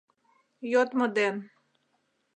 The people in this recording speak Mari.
Йодмо ден